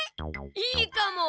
いいかも。